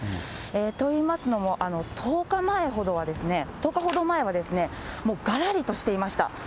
といいますのも、１０日ほど前はもうがらりとしていました。